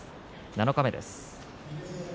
七日目です。